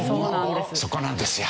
そこなんですよ！